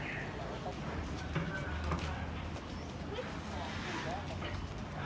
มีเวลาเท่าไหร่มีเวลาเท่าไหร่มีเวลาเท่าไหร่